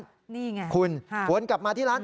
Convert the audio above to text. นี่ไงคุณวนกลับมาที่ร้าน